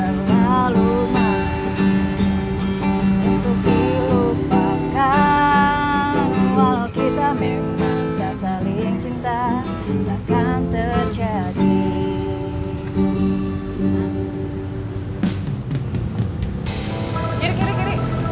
nanti dia nanya kita dimana